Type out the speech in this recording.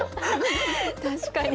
確かに。